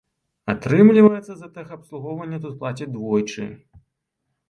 Атрымліваецца, за тэхабслугоўванне тут плацяць двойчы.